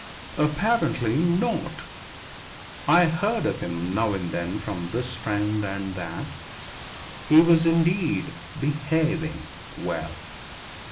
Apparently not. I heard of him now and then from this friend and that. He was indeed "behaving" well.